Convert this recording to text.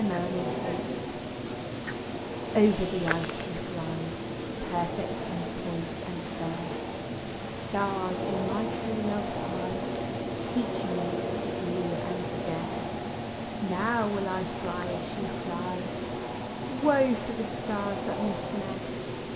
Skating* Over the tee she flies Perfect and poised and fair — Stars in my true love's eyes leach me to do and to dare ! Now will 1 fly as she flies Woe for the stars that misled.